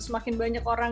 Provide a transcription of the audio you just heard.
semakin banyak orang